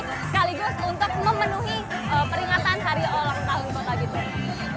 sekaligus untuk memenuhi peringatan hari olah tahun kota bitung